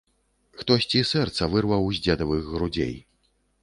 Хтосьці сэрца вырваў з дзедавых грудзей.